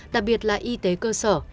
đặc biệt là y tế cơ sở